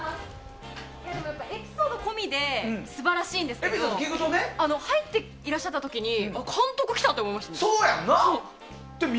エピソード込みで素晴らしいんですけど入っていらっしゃった時に監督来たって思いました。